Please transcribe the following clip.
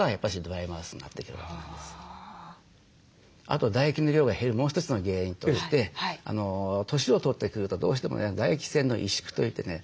あと唾液の量が減るもう一つの原因として年を取ってくるとどうしてもね唾液腺の萎縮といってね